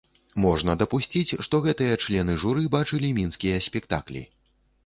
Можна дапусціць, што гэтыя члены журы бачылі мінскія спектаклі.